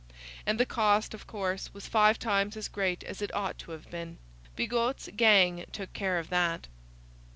And the cost, of course, was five times as great as it ought to have been. Bigot's gang took care of that.